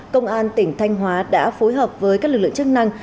công an tỉnh thanh hóa đã phối hợp với các lực lượng chức năng